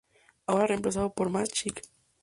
Ahora reemplazado por Más Chic.